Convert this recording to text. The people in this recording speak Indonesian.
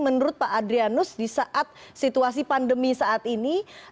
menurut pak adrianus di saat situasi pandemi saat ini